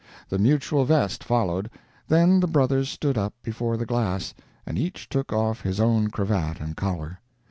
The mutual vest followed. Then the brothers stood up before the glass, and each took off his own cravat and collar.